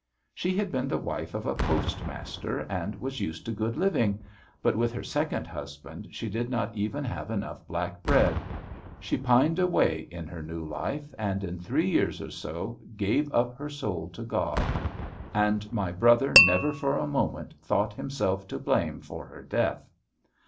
She had been the wife of a postmaster and was used to good living, but with her second husband she did not even have enough black bread; she pined away in her new life, and in three years or so gave up her soul to God. And my brother never for a moment thought himself to blame for her death.